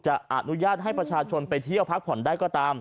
อนุญาตให้ประชาชนไปเที่ยวพักผ่อนได้ก็ตาม